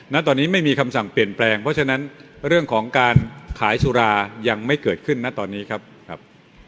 ณตอนนี้ไม่มีคำสั่งเปลี่ยนแปลงเพราะฉะนั้นเรื่องของการขายสุรายังไม่เกิดขึ้นนะตอนนี้ครับครับ